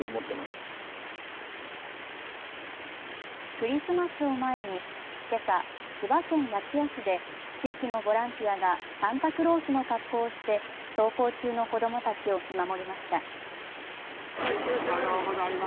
クリスマスを前にけさ、千葉県八千代市で地域のボランティアがサンタクロースの格好をして登校中の子どもたちを見守りました。